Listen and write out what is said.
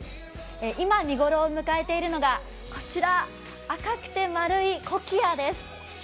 今見頃を迎えているのがこちら、赤くて丸いコキアです。